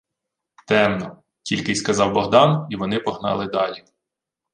— Темно, — тільки й сказав Богдан, і вони погнали далі.